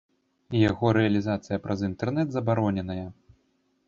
Яго рэалізацыя праз інтэрнэт забароненая.